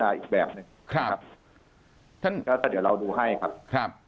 ถ้าพวกเขาถูกปล่องเราอาจจะพิจารณาอีกแบบ